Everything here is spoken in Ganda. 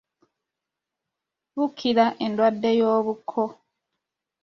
Bukira endwadde y'obuko.